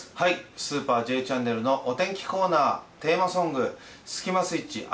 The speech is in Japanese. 「スーパーＪチャンネル」のテーマソングスキマスイッチ、「茜」